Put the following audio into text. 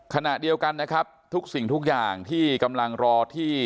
ขณะเดียวกันนะครับทุกสิ่งทุกอย่างที่กำลังรอที่